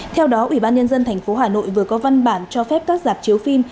theo đó ủy ban nhân dân tp hà nội vừa có văn bản cho phép các dạp chiếu phim